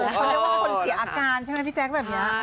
เขาเรียกว่าคนเสียอาการใช่ไหมพี่แจ๊คแบบนี้